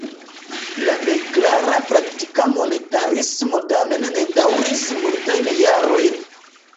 La plej klara praktika monetarismo tamen ne daŭris multajn jarojn.